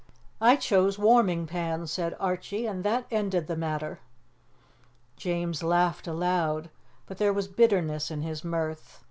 "I chose warming pans," said Archie, "and that ended the matter." James laughed aloud, but there was bitterness in his mirth.